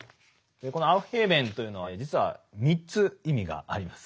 このアウフヘーベンというのは実は３つ意味があります。